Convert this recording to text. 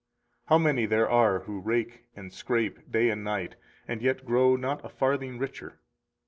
How many there are who rake and scrape day and night, and yet grow not a farthing richer!